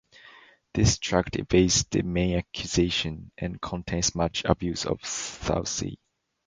This tract evades the main accusation, and contains much abuse of Southey.